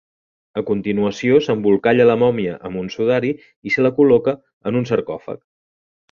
A continuació s'embolcalla la mòmia amb un sudari i se la col·loca en un sarcòfag.